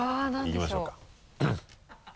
いきましょうか。